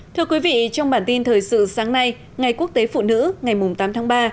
thưa quý vị trong bản tin thời sự sáng nay ngày quốc tế phụ nữ ngày tám tháng ba